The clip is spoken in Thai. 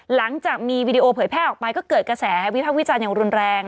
หลังจากมีวีดีโอเผยแพร่ออกไปก็เกิดกระแสวิภาควิจารณ์อย่างรุนแรง